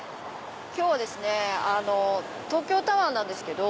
今日はですね東京タワーなんですけど。